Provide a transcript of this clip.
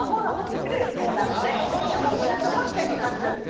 １株掘ってみます。